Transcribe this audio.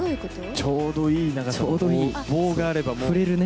ちょうどいい長さの棒があれば振れるね。